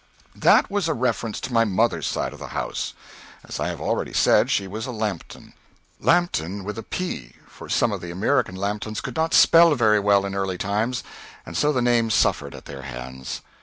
That was a reference to my mother's side of the house. As I have already said, she was a Lambton Lambton with a p, for some of the American Lamptons could not spell very well in early times, and so the name suffered at their hands.